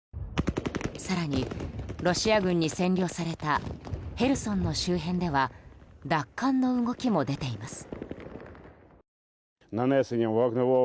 更にロシア軍に占領されたヘルソンの周辺では奪還の動きも出ています。